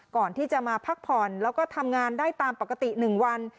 ก่อนที่จะมาพักผ่อนแล้วก็ทำงานได้ตามปกติ๑วัน